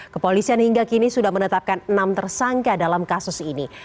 kepolisian hingga kini sudah menetapkan enam tersangka dalam kasus ini